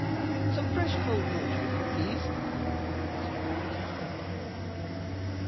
"Some fresh cold water, if you please," was all that he said.